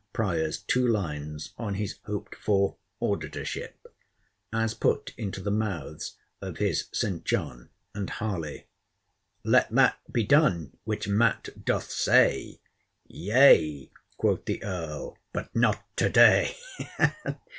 Prior's two lines on his hoped for auditorship; as put into the mouths of his St. John and Harley; —Let that be done, which Matt. doth say. YEA, quoth the Earl—BUT NOT TO DAY.